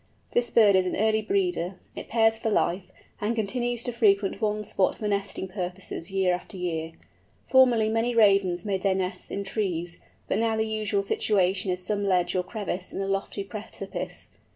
This bird is an early breeder. It pairs for life, and continues to frequent one spot for nesting purposes year after year. Formerly many Ravens made their nests in trees, but now the usual situation is some ledge or crevice in a lofty precipice.